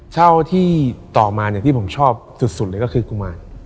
เช่าที่ต่อมาอย่างที่ผมชอบสุดเลยก็คือกุมาร